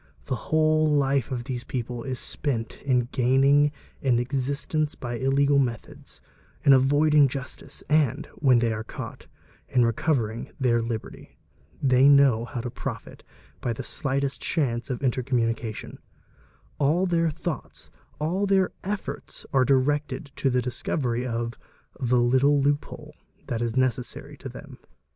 The whole life of these people is spent in gaining an existence by illegal methods, in avoiding justice, and, when they are caught, © in recovering their liberty; they know how to profit by the slightest chance of intercommunication ; all their thoughts, all their efforts are directed a to the discovery of "the little loophole," that is necessary to them.